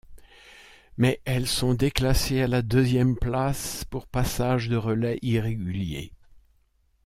Mais, elles sont déclassées à la deuxième place pour passage de relais irrégulier.